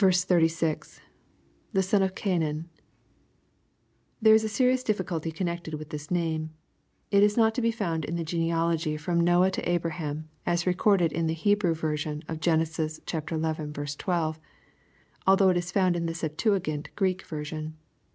— [The son of Cainan.] There is a serious difficulty connected with this name. It is not to be found in the genealogy from J^oah to Abraham, as recorded in the Hebrew version of Gen, xi. 12, ' although it is found in the Septuagint Greek version.